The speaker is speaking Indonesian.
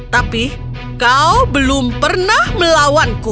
tapi kau belum pernah melawanku